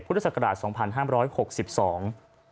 พุทธศักราชสองพันห้ามร้อยหกสิบสอง